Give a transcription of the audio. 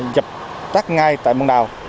dập tắt ngay tại băng đào